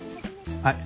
はい？